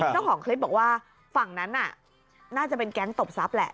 เจ้าของคลิปบอกว่าฝั่งนั้นน่ะน่าจะเป็นแก๊งตบทรัพย์แหละ